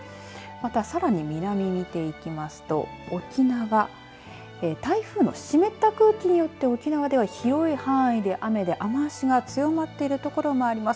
また、さらに南見ていきますと沖縄台風の湿った空気によって沖縄では広い範囲で雨で雨足が強まっている所もあります。